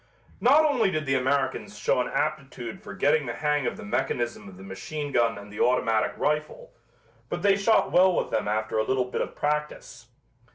Not only did the Americans show an aptitude for getting the hang of the mechanism of the machine gun and the automatic rifle, but they shot well with them after a little bit of practice.